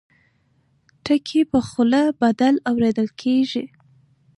ټکي په خوله بدل اورېدل کېږي.